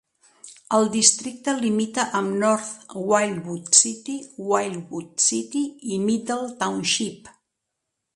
El districte limita amb North Wildwood City, Wildwood City i Middle Township.